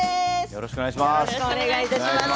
よろしくお願いします。